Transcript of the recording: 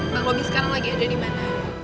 bang robi sekarang lagi ada dimana